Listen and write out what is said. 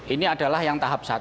ini adalah yang tahap satu